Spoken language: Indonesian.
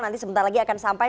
nanti sebentar lagi akan sampai